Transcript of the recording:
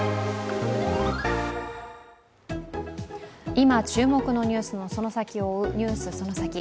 今、注目のニュースのその先を追う、「ＮＥＷＳそのサキ！」